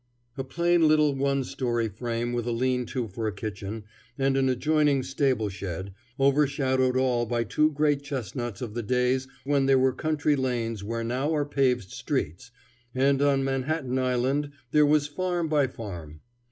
A plain little one story frame with a lean to for a kitchen, and an adjoining stable shed, over shadowed all by two great chestnuts of the days when there were country lanes where now are paved streets, and on Manhattan Island there was farm by farm.